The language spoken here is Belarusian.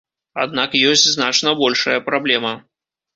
Аднак ёсць значна большая праблема.